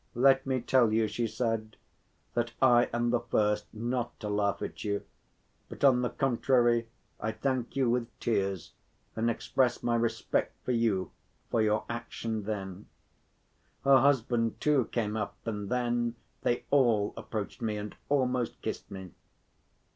"Let me tell you," she said, "that I am the first not to laugh at you, but on the contrary I thank you with tears and express my respect for you for your action then." Her husband, too, came up and then they all approached me and almost kissed me.